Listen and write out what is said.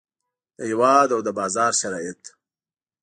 د هیواد او د بازار شرایط.